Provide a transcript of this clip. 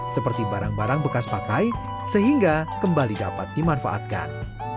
seperti barang barang bekas pakai sehingga kembali dapat dimanfaatkan